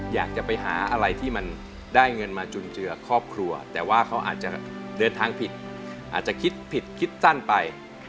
อยากจะไปหาอะไรที่มันได้เงินมาจุนเจือครอบครัวแต่ว่าเขาอาจจะเดินทางผิดอาจจะคิดผิดคิดสั้นไป